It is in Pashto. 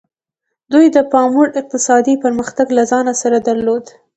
دوی د پاموړ اقتصادي پرمختګ له ځان سره درلود.